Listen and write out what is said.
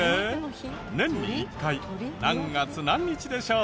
年に１回何月何日でしょう？